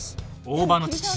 大場の父